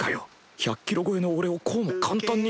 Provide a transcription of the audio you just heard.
１００キロ超えの俺をこうも簡単に。